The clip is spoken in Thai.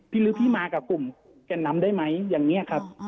หรือพี่มากับกลุ่มแก่นนำได้ไหมอย่างนี้ครับ